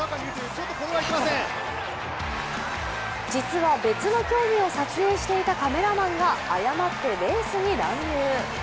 実は別の競技を撮影していたカメラマンが誤ってレースに乱入。